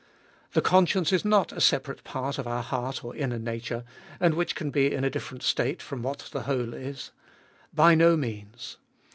The conscience is not a separate part of our heart or inner nature, and which can be in a different state from what the whole is. By no means.